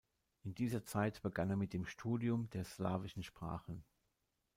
In dieser Zeit begann er mit dem Studium der slawischen Sprachen.